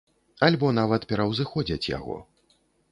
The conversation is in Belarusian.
Альбо нават пераўзыходзяць яго.